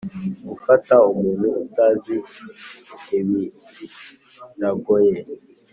gufata umuntu utazi birgoye.